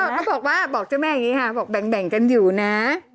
เขาบอกว่าบอกเจ้าแม่อย่างนี้ค่ะบอกแบ่งกันอยู่นะ